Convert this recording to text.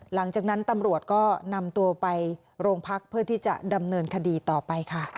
หลังจากนั้นตำรวจก็นำตัวไปโรงพักเพื่อที่จะดำเนินคดีต่อไปค่ะ